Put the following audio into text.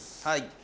はい。